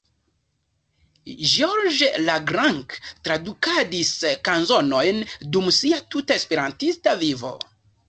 Georges Lagrange tradukadis kanzonojn dum sia tuta Esperantista vivo.